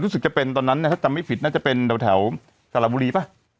รู้สึกจะเป็นตอนนั้นนะครับจำไม่ผิดน่าจะเป็นแถวสระบุรีป่ะ